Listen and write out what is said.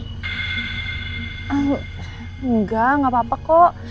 tidak tidak apa apa kok